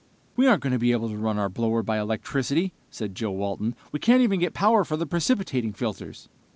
"We aren't going to be able to run our blower by electricity," said Joe Walton. "We can't even get power for the precipitating filters."